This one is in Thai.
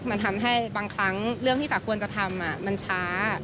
มันทำให้บางครั้งเรื่องที่จ๋าควรจะทำมันช้า